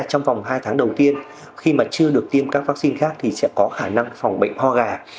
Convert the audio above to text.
trong vòng hai tháng đầu tiên khi mà chưa được tiêm các vaccine khác thì sẽ có khả năng phòng bệnh ho gà